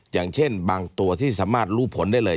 อย่างเช่นบางตัวที่สามารถรู้ผลได้เลย